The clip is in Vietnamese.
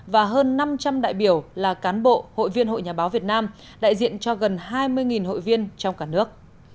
và hơn năm trăm linh đại biểu là cán bộ hội viên hội nhà báo việt nam đại diện cho gần hai mươi hội viên trong cả nước